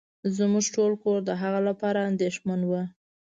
زمونږ ټول کور د هغه لپاره انديښمن وه.